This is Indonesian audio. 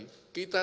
saya katakan tadi